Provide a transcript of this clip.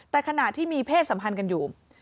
แต่ขณะที่มีเพศสัมพันธ์กันอยู่